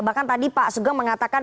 bahkan tadi pak sugeng mengatakan